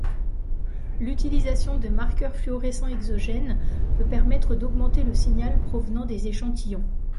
L’utilisation de marqueurs fluorescents exogènes peut permettre d’augmenter le signal provenant des échantillons.